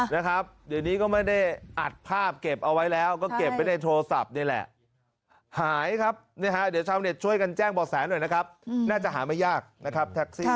นะครับเดี๋ยวนี้ก็ไม่ได้อัดภาพเก็บเอาไว้แล้วก็เก็บไว้ในโทรศัพท์นี่แหละหายครับเนี่ยฮะเดี๋ยวชาวเน็ตช่วยกันแจ้งบ่อแสหน่อยนะครับน่าจะหาไม่ยากนะครับแท็กซี่